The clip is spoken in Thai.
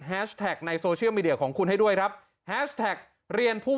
แท็กในโซเชียลมีเดียของคุณให้ด้วยครับแฮชแท็กเรียนผู้